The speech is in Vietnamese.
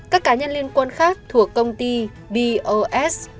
các cá nhân liên quan khác các cơ quan điều tra xác định không có sự thông đồng